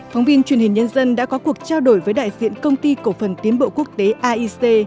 phóng viên truyền hình nhân dân đã có cuộc trao đổi với đại diện công ty cổ phần tiến bộ quốc tế aic